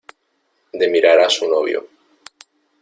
de mirar a su novio.